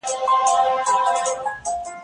ايا ته درسونه اورې؟